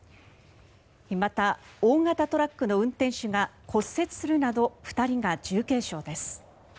また、大型トラックの運転手が骨折するなど２人が重軽傷です。